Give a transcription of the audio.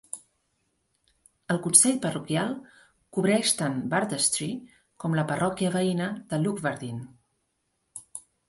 El consell parroquial cobreix tant Bartestree com la parròquia veïna de Lugwardine.